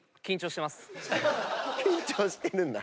緊張してるんだ。